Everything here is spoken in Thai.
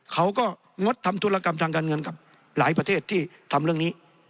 งดทำธุรกรรมทางการเงินกับหลายประเทศที่ทำเรื่องนี้